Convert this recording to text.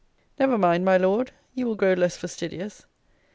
Never mind, my Lord; you will grow less fastidious!